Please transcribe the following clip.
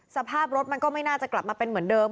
สภาพรถมันก็ไม่น่าจะกลับมาเป็นเหมือนเดิม